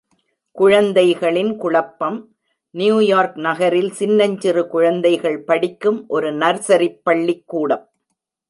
குழந்தைகளின் குழப்பம் நியூயார்க் நகரில் சின்னஞ்சிறு குழந்தைகள் படிக்கும் ஒரு நர்சரிப் பள்ளிக்கூடம்.